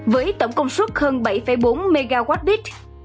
với tổng công suất hơn bảy bốn mwbit